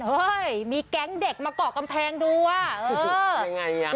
เฮ้ยมีแก๊งเด็กมาเกาะกำแพงดูว่าเออ